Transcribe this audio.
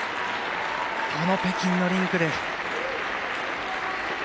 この北京のリンクで。